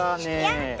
やった！